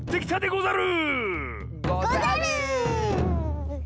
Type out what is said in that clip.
ござる！